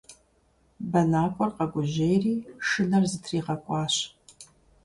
Бэнакӏуэр къэгужьейри шынэр зытригъэкӏуащ.